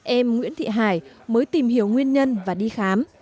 em nguyễn thị hải mới tìm hiểu nguyên nhân và đi khám